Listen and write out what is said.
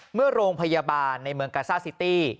เมื่อโรงพยาบาลในเมืองกาซ่าซิตี้